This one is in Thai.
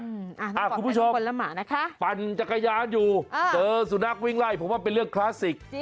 คุณผู้ชมคนละหมานะคะปั่นจักรยานอยู่เจอสุนัขวิ่งไล่ผมว่าเป็นเรื่องคลาสสิก